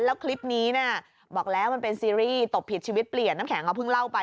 แล้วคลิปนี้บอกแล้วมันเป็นซีรีส์ตบผิดชีวิตเปลี่ยนน้ำแข็งเขาเพิ่งเล่าไป